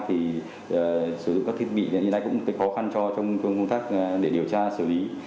thì sử dụng các thiết bị hiện nay cũng khó khăn cho trong công tác để điều tra xử lý